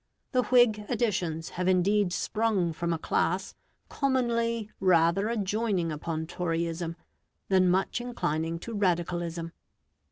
The Whig additions have indeed sprung from a class commonly rather adjoining upon Toryism, than much inclining to Radicalism.